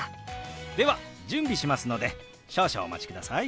では準備しますので少々お待ちください。